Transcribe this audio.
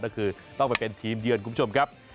ก็คือต้องไปเป็นทีมเยือนคุณผู้ชมครับ